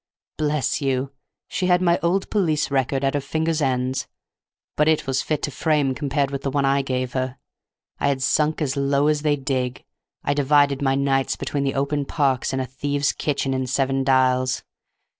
Bless you, she had my old police record at her fingers' ends, but it was fit to frame compared with the one I gave her. I had sunk as low as they dig. I divided my nights between the open parks and a thieves' kitchen in Seven Dials.